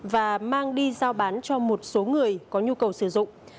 và mang đi giao bán cho một số người có nhu cầu sử dụng